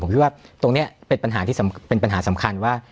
ผมคิดว่าตรงนี้เป็นปัญหาที่เป็นปัญหาสำคัญว่า